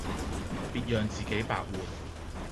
別讓自己白活